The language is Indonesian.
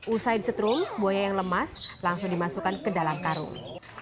usai disetrum buaya yang lemas langsung dimasukkan ke dalam karung